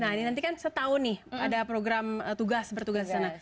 nah ini nanti kan setahun nih ada program tugas bertugas di sana